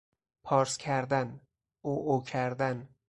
پارس کردن، عوعو کردن